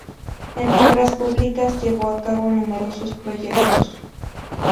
En obras públicas, llevó a cabo numerosos proyectos.